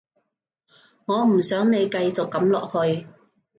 我唔想你繼續噉落去